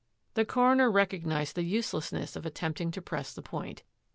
The coroner recognised the uselessness of at tempting to press the point.